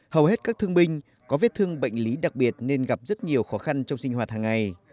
hầu hết các thương binh có vết thương bệnh lý đặc biệt nên gặp rất nhiều khó khăn trong sinh hoạt hàng ngày